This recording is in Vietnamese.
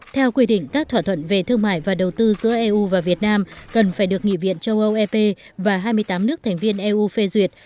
theo quy định các thỏa thuận về thương mại và đầu tư giữa eu và việt nam cần phải được nghị viện châu âu ep và hai mươi tám nước thành viên eu phê duyệt